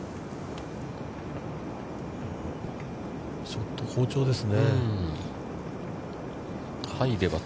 ショット好調ですね。